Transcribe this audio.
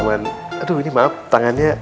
aduh ini maaf tangannya